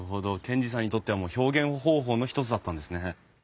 賢治さんにとってはもう表現方法の一つだったんですね。